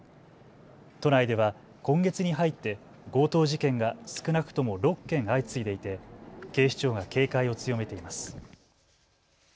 都内では今月に入って強盗事件が少なくとも６件相次いでいて警視庁が警戒を強めています。